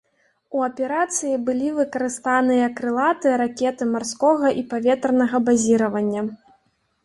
У аперацыі былі выкарыстаныя крылатыя ракеты марскога і паветранага базіравання.